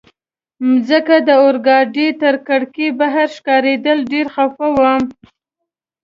مځکه د اورګاډي تر کړکۍ بهر ښکارېدل، ډېر خفه وم.